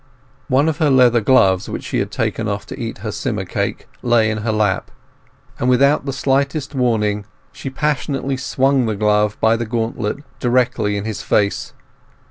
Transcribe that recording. One of her leather gloves, which she had taken off to eat her skimmer cake, lay in her lap, and without the slightest warning she passionately swung the glove by the gauntlet directly in his face.